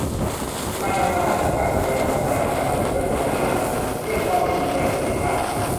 การทำงานด้านกำกับดูแล และ พัฒนาอุตสาหกรรม สื่อ และ โทรคมนาคม เรียกว่าไม่มีประสิทธิภาพ